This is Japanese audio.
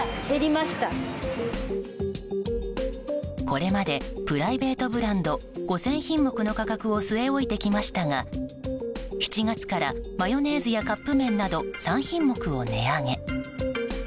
これまでプライベートブランド５０００品目の価格を据え置いてきましたが７月からマヨネーズやカップ麺など３品目を値上げ。